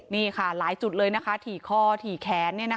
นี่ค่ะหลายจุดเลยนะคะถี่ข้อถี่แขนเนี่ยนะคะ